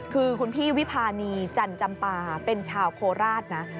คือคุณพี่วิพานีจันจำปาเป็นชาวโคราชนะ